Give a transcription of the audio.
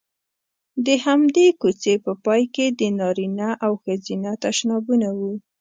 د همدې کوڅې په پای کې د نارینه او ښځینه تشنابونه وو.